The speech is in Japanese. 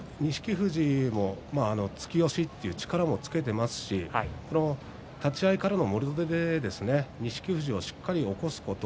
富士も突き押しという力をつけていますし立ち合いからのもろ手で錦富士をしっかり、起こすこと。